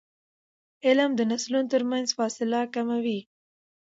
علم د نسلونو ترمنځ فاصله کموي.